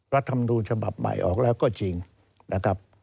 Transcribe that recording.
รัฐธรรมนูญฉบับใหม่ออกแล้วก็จริงนะครับ